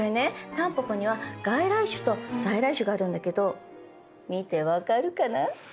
タンポポには外来種と在来種があるんだけど見て分かるかな？